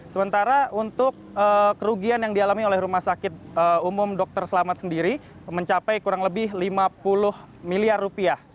sementara untuk kerugian yang dialami oleh rumah sakit umum dr selamat sendiri mencapai kurang lebih lima puluh miliar rupiah